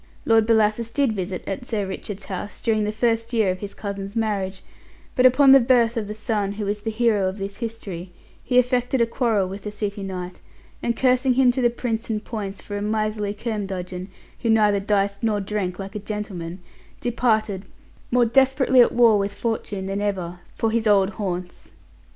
Lord Bellasis did visit at Sir Richard's house during the first year of his cousin's marriage; but upon the birth of the son who is the hero of this history, he affected a quarrel with the city knight, and cursing him to the Prince and Poins for a miserly curmudgeon, who neither diced nor drank like a gentleman, departed, more desperately at war with fortune than ever, for his old haunts.